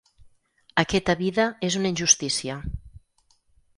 Aquesta vida es una injustícia.